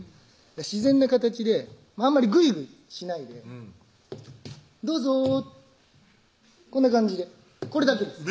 自然な形であんまりグイグイしないで「どうぞ」こんな感じでこれだけです